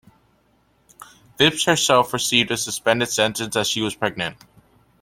Phipps herself received a suspended sentence as she was pregnant.